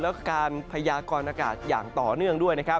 และการพยากรณ์อากาศอย่างต่อเนื่องด้วย